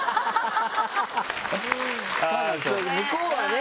向こうはね